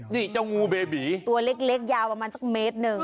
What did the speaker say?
นี่เจ้างูเบบีตัวเล็กยาวประมาณสักเมตรหนึ่ง